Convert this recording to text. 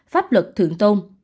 pháp luật thượng tôn